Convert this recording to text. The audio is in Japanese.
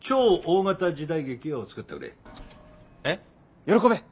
喜べ！